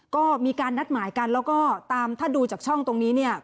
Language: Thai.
ก็มีการนัดหมายกันแล้วก็ตามถ้าดูจากช่องตรงนี้เนี่ย